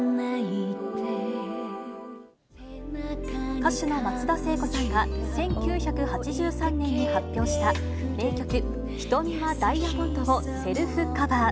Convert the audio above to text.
歌手の松田聖子さんが１９８３年に発表した名曲、瞳はダイアモンドをセルフカバー。